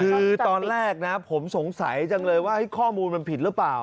คือตอนแรกนะผมสงสัยจังเลยว่าข้อมูลมันผิดหรือเปล่า